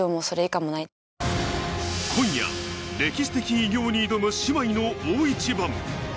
今夜、歴史的偉業に挑む姉妹の大一番。